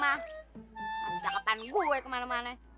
masih dakepan gue kemana mana